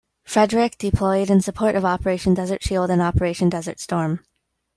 "Frederick" deployed in support of Operation Desert Shield and Operation Desert Storm.